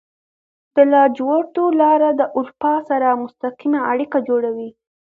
د لاجوردو لاره د اروپا سره مستقیمه اړیکه جوړوي.